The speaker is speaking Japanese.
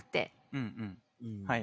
うんうんはい。